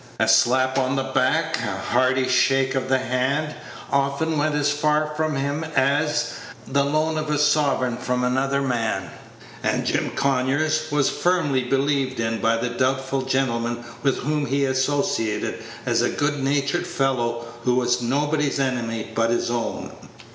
A slap on the back, a hearty shake of the hand, often went as far from him as the loan of a sovereign from another man; and Jim Conyers was firmly believed in by the doubtful gentlemen with whom he associated as a good natured fellow who was nobody's enemy but his own.